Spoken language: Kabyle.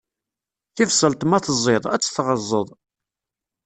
Tibṣelt ma tẓiḍ, ad tt-tɣeẓẓeḍ.